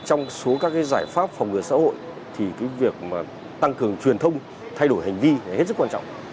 trong số các giải pháp phòng ngừa xã hội thì việc tăng cường truyền thông thay đổi hành vi hết sức quan trọng